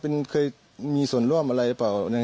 บอกว่าเคยคุณเคยส่วนร่วมอะไรรึเปล่าซะไม๊ครับ